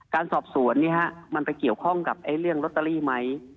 การสอบสวนมันไปเกี่ยวข้องกับเรื่องลอตเตอรี่ไหม